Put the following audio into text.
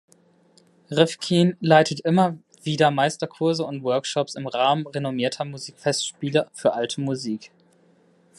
Rifkin leitet immer wieder Meisterkurse und Workshops im Rahmen renommierter Musikfestspiele für Alte Musik.